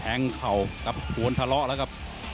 แข็งเขากับถวนทะเลาะแล้วกับ